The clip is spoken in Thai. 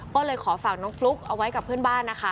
ก็เลยขอฝากน้องฟลุ๊กเอาไว้กับเพื่อนบ้านนะคะ